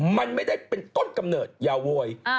มันไม่ได้เป็นต้นกำเนิดอย่าโวย